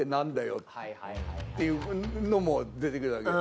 っていうのも出てくるわけ。